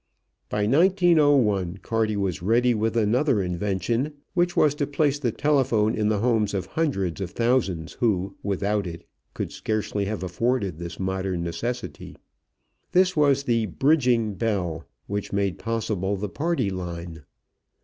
By 1901 Carty was ready with another invention which was to place the telephone in the homes of hundreds of thousands who, without it, could scarcely have afforded this modern necessity. This was the "bridging bell" which made possible the party line.